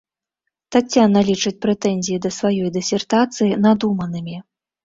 Таццяна лічыць прэтэнзіі да сваёй дысертацыі надуманымі.